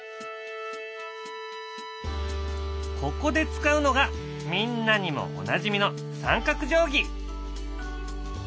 ここで使うのがみんなにもおなじみの三角定規！